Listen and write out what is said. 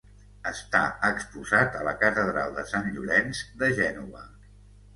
Està exposat a la catedral de Sant Llorenç de Gènova.